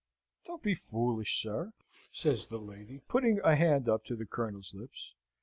"Don't be foolish, sir," says the lady, putting a hand up to the Colonel's lips.